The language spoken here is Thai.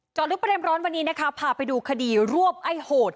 ลึกประเด็นร้อนวันนี้นะคะพาไปดูคดีรวบไอ้โหด